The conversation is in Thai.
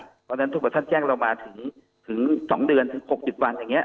เพราะฉะนั้นถ้าเกิดท่านแจ้งเรามาถึง๒เดือนถึง๖๐วันอย่างนี้